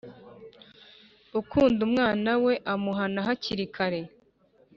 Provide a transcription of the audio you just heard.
ukunda umwana we amuhana hakiri kare